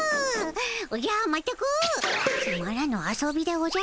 おじゃまったくつまらぬ遊びでおじゃる。